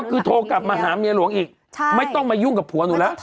คือโทรกลับมาหาเมียหลวงอีกไม่ต้องมายุ่งกับผัวหนูแล้ว